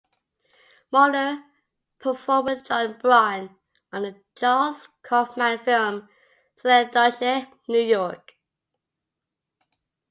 Mohler performed with Jon Brion on the Charles Kaufman film Synecdoche, New York.